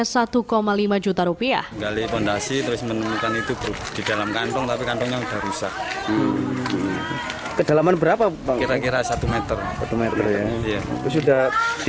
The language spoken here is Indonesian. harga satu lima juta rupiah